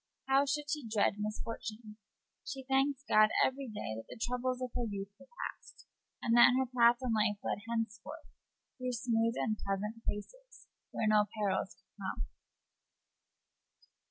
How should she dread misfortune? She thanked God every day that the troubles of her youth were past, and that her path in life led henceforth through smooth and pleasant places, where no perils could come.